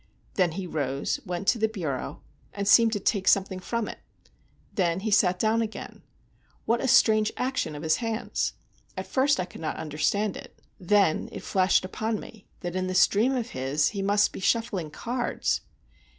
Then he rose, went to the bureau, and seemed to take something from it; then he sat down again. What a strange action of his hands! At first I could not understand it; then it flashed upon me that in this dream of his he must be shuffling cards.